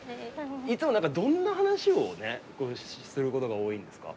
いつもどんな話をねすることが多いんですか？